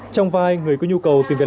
trong vai người có nhu cầu tìm kiếm giáo dục